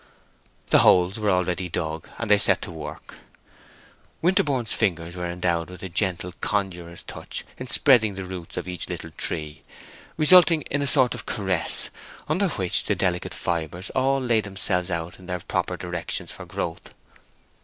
The holes were already dug, and they set to work. Winterborne's fingers were endowed with a gentle conjuror's touch in spreading the roots of each little tree, resulting in a sort of caress, under which the delicate fibres all laid themselves out in their proper directions for growth.